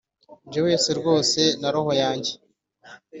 nje wese rwose na roho yanjye